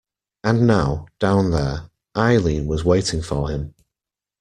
And now, down there, Eileen was waiting for him.